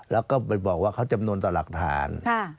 แล้วก็ไปบอกว่าเขาจำนวนต่อหลักฐาน